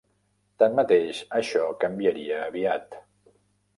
Tanmateix, això canviaria aviat.